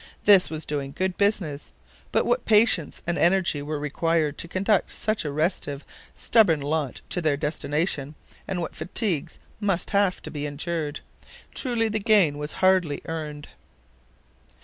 This was doing good business; but what patience and energy were required to conduct such a restive, stubborn lot to their destination, and what fatigues must have to be endured. Truly the gain was hardly earned.